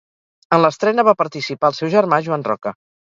En l'estrena va participar el seu germà Joan Roca.